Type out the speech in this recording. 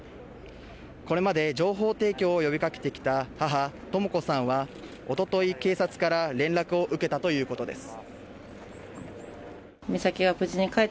これまで情報提供を呼び掛けてきた母・とも子さんはおととい警察から連絡を受けたということです。